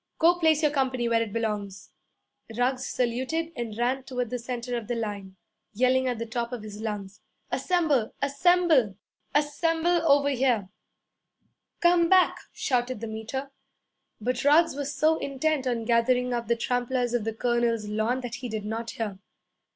'Go place your company where it belongs.' Ruggs saluted and ran toward the centre of the line, yelling at the top of his lungs, 'Assemble, assemble, ASSEMBLE over here!' 'Come back!' shouted the Meter. But Ruggs was so intent on gathering up the tramplers of the colonel's lawn that he did not hear.